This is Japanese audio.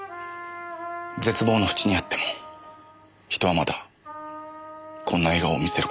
絶望のふちにあっても人はまだこんな笑顔を見せる事ができた。